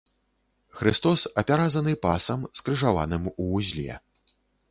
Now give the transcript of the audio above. Хрыстос апяразаны пасам, скрыжаваным у вузле.